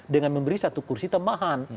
dengan memberi satu kursi tambahan